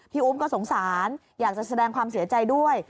อุ๊มก็สงสารอยากจะแสดงความเสียใจด้วย